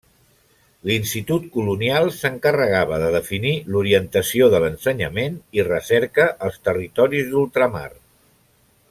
L'Institut Colonial s'encarregava de definir l'orientació de l'ensenyament i recerca als territoris d'ultramar.